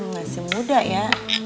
masih muda ya